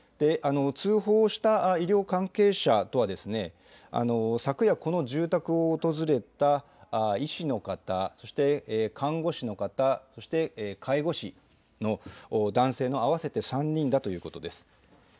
通報した医療関係者とは、昨夜、この住宅を訪れた医師の方、そして看護師の方、そして介護士の男性の合わせて３人だということです。